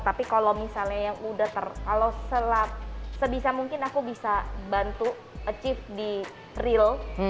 tapi kalau misalnya yang udah ter kalau selap sebisa mungkin aku bisa bantu achieve di real